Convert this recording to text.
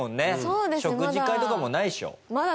食事会とかもないでしょ？